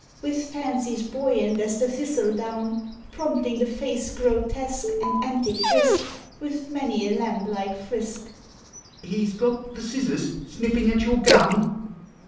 With fancies buoyant as the thistledown, Prompting the face grotesque, and antic brisk, With many a lamb like frisk! I He 's got the scissors, snipping at your gown